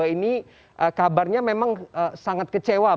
ini kabarnya memang sangat kecewa